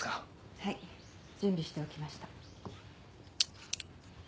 はい準備しておきました。